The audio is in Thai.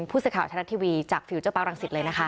ผู้สื่อข่าวไทยรัฐทีวีจากฟิลเจอร์ปาร์รังสิตเลยนะคะ